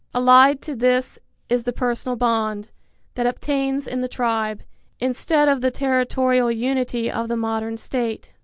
Allied to this is the personal bond, that obtains in the tribe, instead of the territorial unity of the modern state.